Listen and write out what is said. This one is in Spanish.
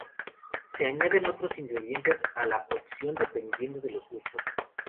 Se añaden otros ingredientes a la cocción dependiendo de los gustos.